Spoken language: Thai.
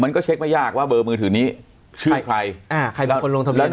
มันก็เช็คไม่ยากว่าเบอร์มือถือนี้ชื่อใครอ่าใครเป็นคนลงทะเบียน